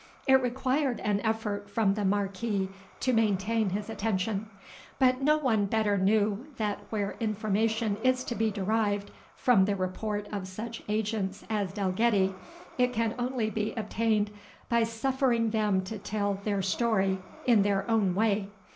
It required an effort from the Marquis to maintain his attention; but no one better knew, that where information is to be derived from the report of such agents as Dalgetty, it can only be obtained by suffering them to tell their story in their own way.